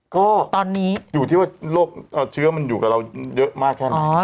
ก็ตอนนี้อยู่ที่ว่าโรคเชื้อมันอยู่กับเราเยอะมากแค่ไหน